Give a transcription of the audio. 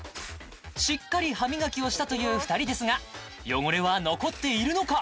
しっかり歯磨きをしたという２人ですが汚れは残っているのか？